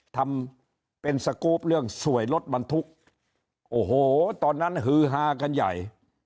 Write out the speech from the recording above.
ทำเป็นสกรูปเรื่องสวยรถบรรทุกโอ้โหตอนนั้นฮือฮากันใหญ่